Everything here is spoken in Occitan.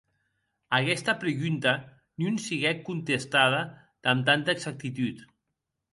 Aguesta pregunta non siguec contestada damb tanta exactitud.